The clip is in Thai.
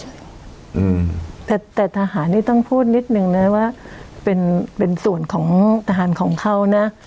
อืมแต่แต่ทหารนี่ต้องพูดนิดหนึ่งนะว่าเป็นเป็นส่วนของทหารของเขานะ